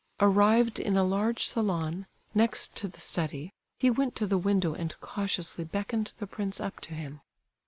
Arrived in a large salon, next to the study, he went to the window and cautiously beckoned the prince up to him.